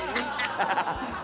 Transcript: ハハハハッ！